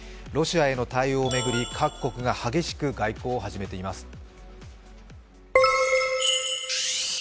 ロシアへの対応を巡り、各国が激しく外交を始めています。